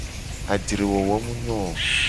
Ajre wowo mu nyo o.